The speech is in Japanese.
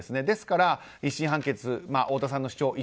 ですから、１審判決太田さんの主張